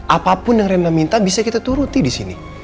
apapun yang rena minta bisa kita turuti disini